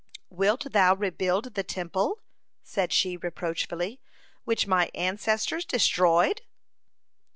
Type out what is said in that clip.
"Wilt thou rebuild the Temple," said she, reproachfully, "which my ancestors destroyed?"